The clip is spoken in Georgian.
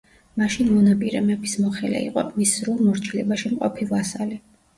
მაშინ მონაპირე მეფის მოხელე იყო, მის სრულ მორჩილებაში მყოფი ვასალი.